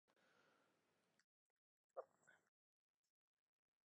The load deck was open-topped with large drop down panels on either side.